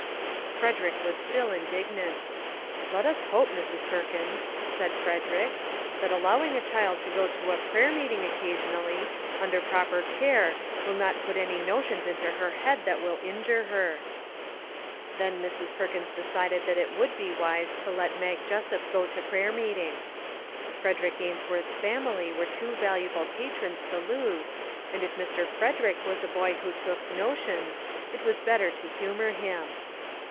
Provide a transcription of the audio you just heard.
Frederick was still indignant. " Let us hope, Mrs. Perkins," he said, " that allowing a child to go to a prayer meeting occasionally, under proper care, will not put any notions into her head that will injure her." Then Mrs. Perkins decided that it would be wise to let Mag Jessup go to prayer meeting. Frederick Ainsworth's family were too valu able patrons to lose, and if Mr. Frederick was a boy who took " notions," it was better to humor him.